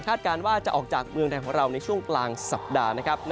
การว่าจะออกจากเมืองไทยของเราในช่วงกลางสัปดาห์นะครับ